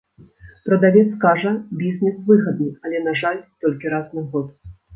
Прадавец кажа, бізнес выгадны, але, на жаль, толькі раз на год.